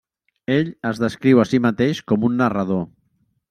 Ell es descriu a si mateix com un narrador.